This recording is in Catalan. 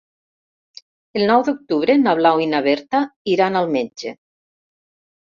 El nou d'octubre na Blau i na Berta iran al metge.